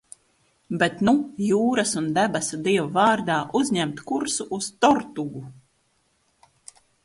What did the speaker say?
Bet nu jūras un debesu dievu vārdā uzņemt kursu uz Tortugu!